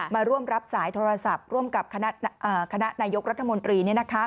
มาร่วมรับสายโทรศัพท์ร่วมกับคณะนายกรัฐมนตรี